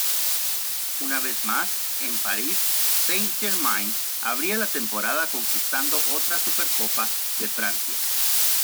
Una vez más, el París Saint-Germain abría la temporada conquistando otra Supercopa de Francia.